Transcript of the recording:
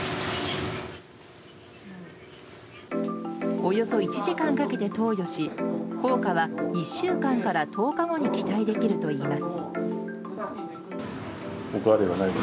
およそ１時間かけて投与し効果は１週間から１０日後に期待できるといいます。